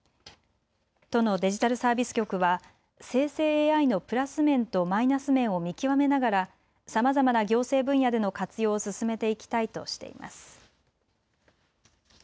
都のデジタルサービス局は生成ＡＩのプラス面とマイナス面を見極めながらさまざまな行政分野での活用を進めていきたいとしています。